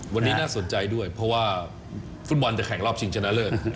วันนี้น่าสนใจด้วยเพราะว่าฟุตบอลจะแข่งรอบชิงชนะเลิศ